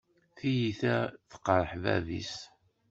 Tiyita tqeṛṛeḥ bab-is.